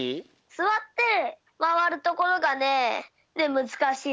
すわってまわるところがねむずかしい。